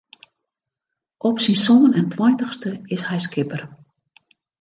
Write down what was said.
Op syn sân en tweintichste is hy skipper.